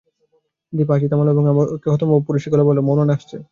দিপা হাসি থামাল এবং আমাকে হতভম্ব করে দিয়ে পুরুষের গলায় বলল, মৌলানা আসছে।